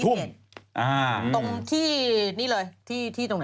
จากกระแสของละครกรุเปสันนิวาสนะฮะ